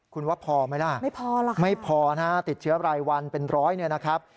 คุณว่าพอไหมล่ะไม่พอนะติดเชื้อรายวันเป็นร้อยนะครับ